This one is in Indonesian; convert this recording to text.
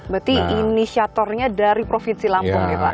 berarti inisiatornya dari provinsi lampung ya pak